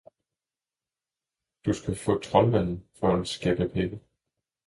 Du skal få troldmanden for en skæppe penge.